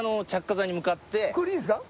これでいいんですか？